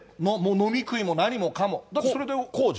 飲み食いも何もか控除？